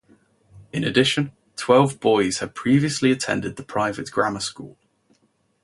In addition twelve boys had previously attended the private grammar school.